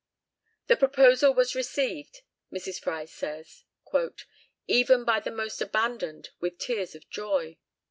"The proposal was received," Mrs. Fry says, "even by the most abandoned with tears of joy."